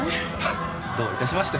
どういたしまして。